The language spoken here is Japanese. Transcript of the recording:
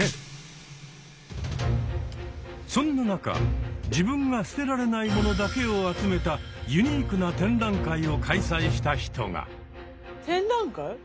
そんな中自分が捨てられない物だけを集めたユニークな展覧会を開催した人が！